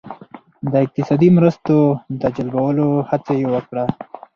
د اقتصادي مرستو د جلبولو هڅه یې وکړه.